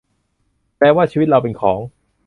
แปลว่าชีวิตเราเป็นของ ?